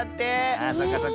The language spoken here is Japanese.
ああそうかそうか。